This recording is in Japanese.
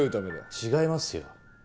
違いますよ。